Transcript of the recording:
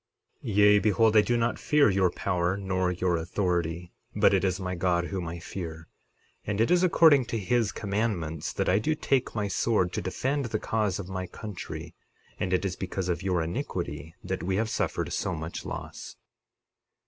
60:28 Yea, behold I do not fear your power nor your authority, but it is my God whom I fear; and it is according to his commandments that I do take my sword to defend the cause of my country, and it is because of your iniquity that we have suffered so much loss.